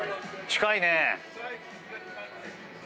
近いね。